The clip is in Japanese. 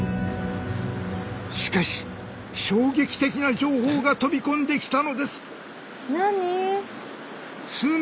しかし衝撃的な情報が飛び込んできたのです。